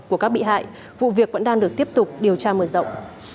của các bị hại vụ việc vẫn đang được tiếp tục điều tra mở rộng